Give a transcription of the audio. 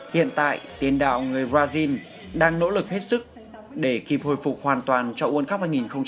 hiện tại tiền đạo người brazil đang nỗ lực hết sức để kịp hồi phục hoàn toàn cho world cup hai nghìn hai mươi